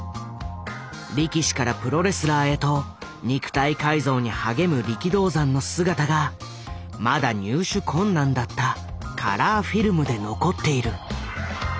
力士からプロレスラーへと肉体改造に励む力道山の姿がまだ入手困難だったカラーフィルムで残っている。